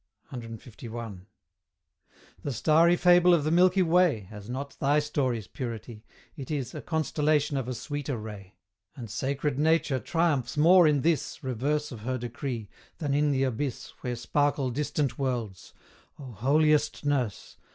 CLI. The starry fable of the milky way Has not thy story's purity; it is A constellation of a sweeter ray, And sacred Nature triumphs more in this Reverse of her decree, than in the abyss Where sparkle distant worlds: Oh, holiest nurse!